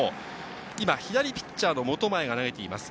左ピッチャーの本前が今投げています。